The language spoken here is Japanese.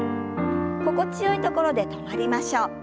心地よいところで止まりましょう。